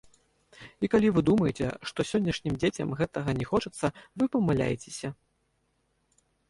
І калі вы думаеце, што сённяшнім дзецям гэтага не хочацца, вы памыляецеся!